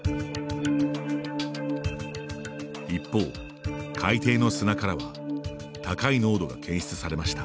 一方、海底の砂からは高い濃度が検出されました。